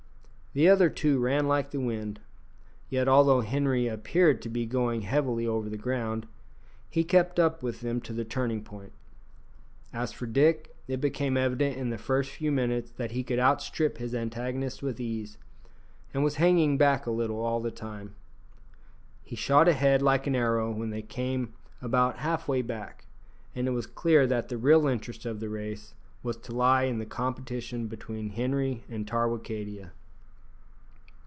The other two ran like the wind; yet although Henri appeared to be going heavily over the ground, he kept up with them to the turning point. As for Dick, it became evident in the first few minutes that he could outstrip his antagonist with ease, and was hanging back a little all the time. He shot ahead like an arrow when they came about half way back, and it was clear that the real interest of the race was to lie in the competition between Henri and Tarwicadia.